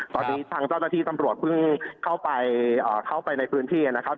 ตอนนี้ทางเจ้าหน้าที่ตำรวจเพิ่งเข้าไปเข้าไปในพื้นที่นะครับ